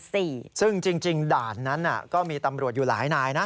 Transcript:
ซึ่งจริงจริงด่านนั้นน่ะก็มีตำรวจอยู่หลายนายนะ